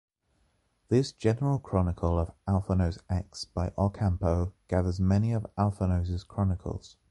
This “General Chronicle of Alphonse X” by Ocampo gathers the many Alphonse’s chronicles.